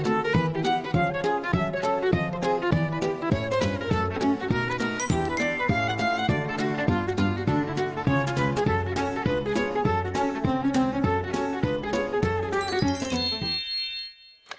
ติดตามเลยในช่วงของสวัสดีรอบกรุง